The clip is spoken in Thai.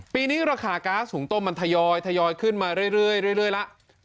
ปีนี้ราคาก๊าซหุงต้มมันทยอยขึ้นมาเรื่อยแล้ว